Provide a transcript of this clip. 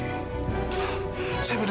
saya bener bener bingung